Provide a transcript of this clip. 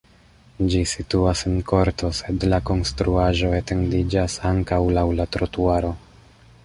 Ĝi situas en korto, sed la konstruaĵo etendiĝas ankaŭ laŭ la trotuaro.